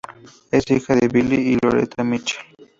Es hija de Billy y Loretta Mitchell.